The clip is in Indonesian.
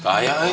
ya lah ya lah